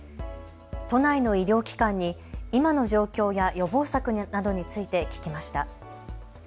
都内の医療機関に今の状況や予防策などについて聞きました。